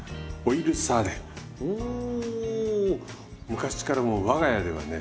昔からもう我が家ではね